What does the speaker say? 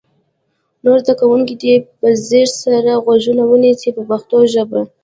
نور زده کوونکي دې په ځیر سره غوږ ونیسي په پښتو ژبه.